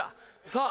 さあ。